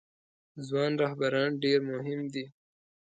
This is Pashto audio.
ځوان رهبران ډیر مهم دي